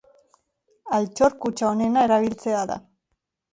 Altxor kutxa onena erabiltzea da.